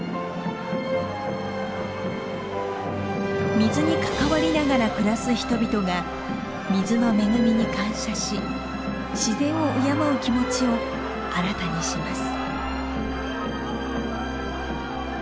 水に関わりながら暮らす人々が水の恵みに感謝し自然を敬う気持ちを新たにします。